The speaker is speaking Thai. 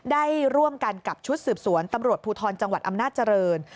ได้ร่วมกันกับชุดสืบสวนตำรวจภูทรจังหวัดอำนาจเจริญ